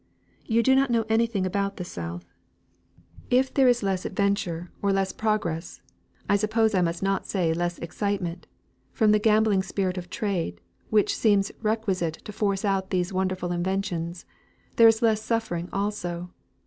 "You do not know anything about the South. If there is less adventure or less progress I suppose I must not say less excitement from the gambling spirit of trade, which seems requisite to force out these wonderful inventions, there is less suffering also.